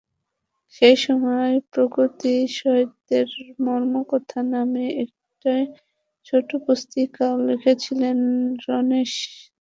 সেই সময় প্রগতি সাহিত্যের মর্মকথা নামে একটি ছোট পুস্তিকাও লিখেছিলেন রণেশ দাশগুপ্ত।